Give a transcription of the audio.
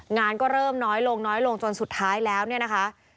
งานก็เริ่มน้อยลงน้อยลงจนสุดท้ายแล้วเนี่ยนะคะ